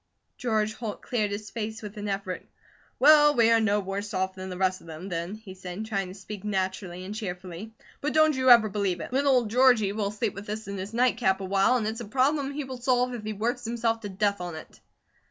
George Holt cleared his face with an effort. "Well, we are no worse off than the rest of them, then," he said, trying to speak naturally and cheerfully. "But don't you ever believe it! Little old Georgie will sleep with this in his night cap awhile, and it's a problem he will solve if he works himself to death on it."